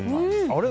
あれ？